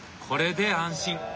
これで安心！